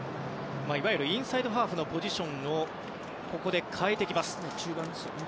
いわゆるインサイドハーフのポジションをここで代えてきます。